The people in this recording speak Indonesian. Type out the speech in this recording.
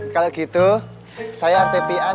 kalau gitu saya rtpn